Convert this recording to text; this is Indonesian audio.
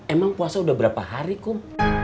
emang puasa udah berapa hari kum